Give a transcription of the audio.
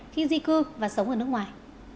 như di cư và sống ở nước ngoài